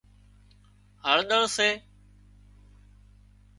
هۯۮۯ سي